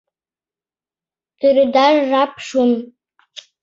Тӱредаш жап шуын.